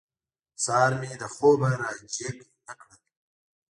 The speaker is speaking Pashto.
سهار مې له خوبه را جېګ نه کړل.